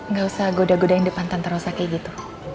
gak usah goda godain depan tante rosa kayak gitu